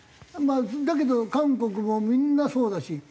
だけど韓国もみんなそうだし。